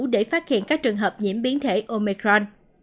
để phát hiện các trường hợp nhiễm biến thể omecron